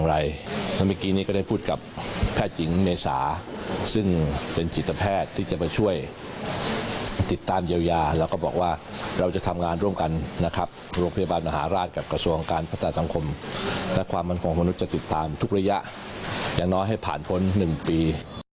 และความมั่นคงมนุษย์จะติดตามทุกระยะอย่างน้อยให้ผ่านพ้น๑ปี